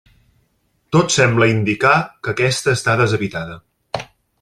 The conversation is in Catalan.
Tot sembla indicar que aquesta està deshabitada.